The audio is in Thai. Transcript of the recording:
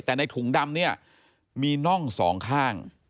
แต่ในถุงดำเนี่ยมีน่องสองข้าง